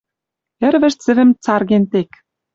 Ӹрвӹж цӹвӹм царген тек